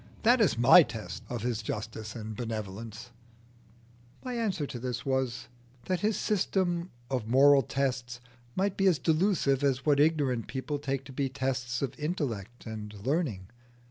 That is my test of his justice and benevolence." My answer was, that his system of moral tests might be as delusive as what ignorant people take to be tests of intellect and learning.